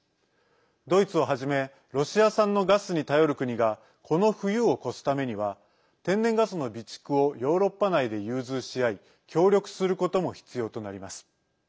ドイツをはじめロシア産のガスに頼る国がこの冬を越すためには天然ガスの備蓄をヨーロッパ内で融通し合い協力することも必要となります。